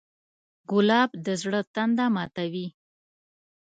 ګلاب د زړه تنده ماتوي.